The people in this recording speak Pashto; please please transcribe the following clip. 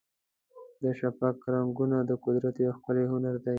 د شفق رنګونه د قدرت یو ښکلی هنر دی.